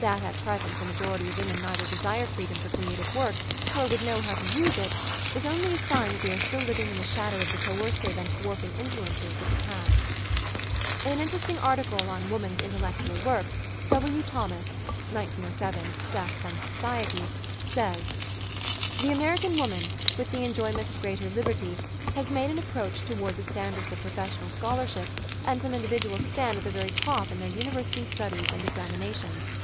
That at present the majority of women neither desire freedom for creative work, nor would know how to use it, is only a sign that we are still living in the shadow of the coercive and dwarfing influences of the past. In an interesting article on woman's intellectual work, W. Thomas ^(1907, " Sex and Society ") says : loo . Married Love The American woman, with the enjoyment of greater liberty, has made an approach toward the standards of professional scholarship, and some individuals stand at the very top in their university studies and examinations.